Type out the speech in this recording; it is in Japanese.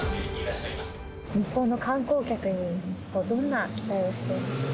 日本の観光客にどんな期待をしていますか？